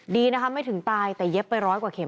ดีนะคะไม่ถึงตายแต่เย็บไปร้อยกว่าเม็